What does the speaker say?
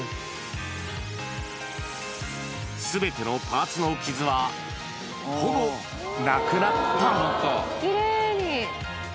すべてのパーツの傷は、ほぼなくなった。